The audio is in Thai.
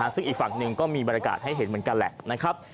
ซึ่งอีกฝั่งหนึ่งก็มีบรรยากาศให้เห็นเหมือนกันแหละนะครับ